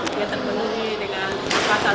dia terbunuhi dengan pasal tiga ratus empat puluh tujuh